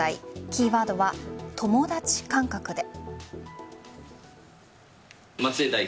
キーワードは友達感覚で。